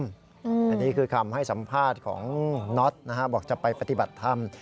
อันนี้คือคำให้สัมภาษณ์ของน็อตนะฮะบอกจะไปปฏิบัติธรรม